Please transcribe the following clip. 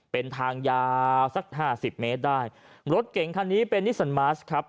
เป็นทางยาวสักห้าสิบเมตรได้รถเก่งคันนี้เป็นนิสันมาสครับ